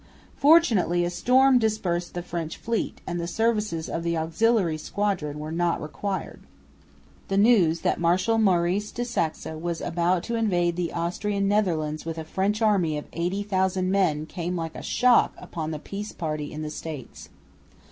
Fortunately a storm dispersed the French fleet, and the services of the auxiliary squadron were not required. The news that Marshal Maurice de Saxe was about to invade the Austrian Netherlands with a French army of 80,000 men came like a shock upon the peace party in the States.